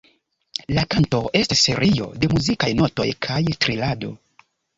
La kanto estas serio de muzikaj notoj kaj trilado.